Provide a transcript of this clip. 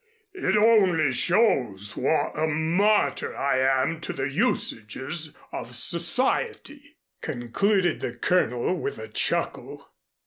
"It only shows what a martyr I am to the usages of society," concluded the Colonel with a chuckle.